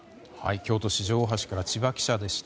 京都・四条大橋から千葉記者でした。